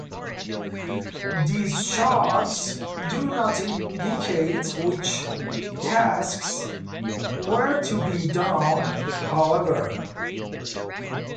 These charts do not indicate which tasks were to be done, however.